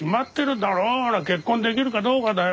ほら結婚できるかどうかだよ。